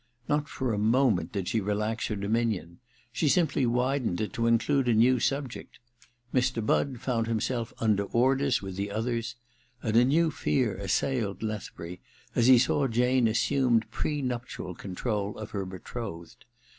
Not for a moment did she relax her dominion : she simply widened it to include a new subject. Mr. Budd found himself under orders with the others ; and a new fear assailed Lethbury as he saw Jane assume pre nuptial control of her betrothed.